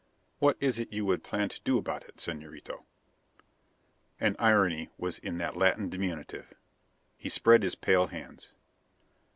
"What is it you would plan to do about it, Señorito?" An irony was in that Latin diminutive! He spread his pale hands.